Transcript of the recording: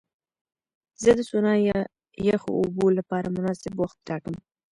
زه د سونا یا یخو اوبو لپاره مناسب وخت ټاکم.